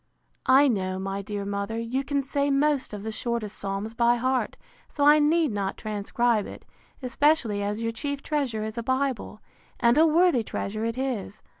I know, my dear mother, you can say most of the shortest psalms by heart; so I need not transcribe it, especially as your chief treasure is a bible; and a worthy treasure it is.